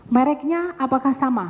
mereknya apakah sama